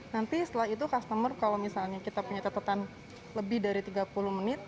nanti setelah itu customer kalau misalnya kita punya catatan lebih dari tiga puluh menit